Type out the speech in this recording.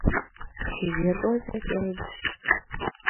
Чевер роза пеледыш.